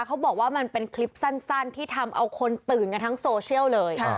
เขาบอกว่ามันเป็นคลิปสั้นที่ทำเอาคนตื่นกันทั้งโซเชียลเลย